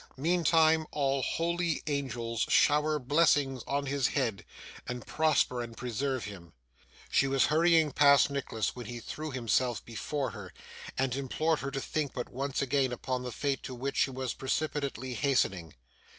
Meantime, all holy angels shower blessings on his head, and prosper and preserve him.' She was hurrying past Nicholas, when he threw himself before her, and implored her to think, but once again, upon the fate to which she was precipitately hastening.